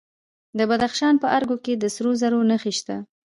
د بدخشان په ارګو کې د سرو زرو نښې شته.